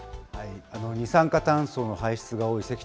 二酸化炭素の排出が多い